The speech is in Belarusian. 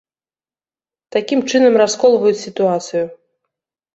Такім чынам расколваюць сітуацыю.